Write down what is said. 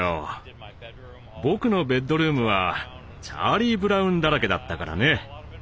僕のベッドルームはチャーリー・ブラウンだらけだったからね。